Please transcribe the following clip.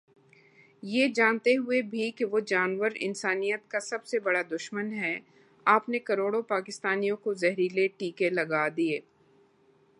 یہ جانتے ہوئے بھی کہ وہ جانور انسانیت کا سب سے بڑا دشمن ہے آپ نے کروڑوں پاکستانیوں کو زہریلے ٹیکے لگا دیے۔۔